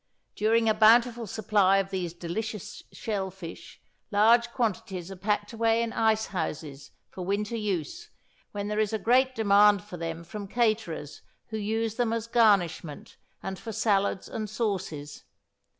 During a bountiful supply of these delicious shell fish, large quantities are packed away in ice houses for winter use, when there is a big demand for them from caterers who use them as garnishment, and for salads and sauces.